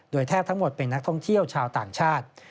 แทบทั้งหมดเป็นนักท่องเที่ยวชาวต่างชาติ